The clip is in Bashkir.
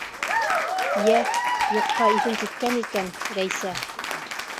- Йә, юҡҡа иҫең киткән икән, Рәйсә.